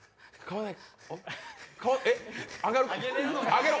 上げろ！